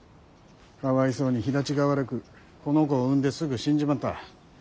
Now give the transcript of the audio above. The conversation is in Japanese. かわいそうに肥立ちが悪くこの子を産んですぐ死んじまった。